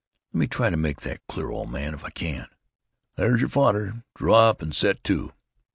Let me try to make that clear, old man, if I can.... "There's your fodder. Draw up and set to.